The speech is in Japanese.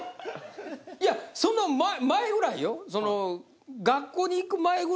いやその前ぐらいよ。